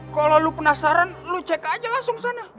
kalau lo penasaran lu cek aja langsung sana